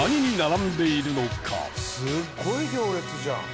すごい行列じゃん！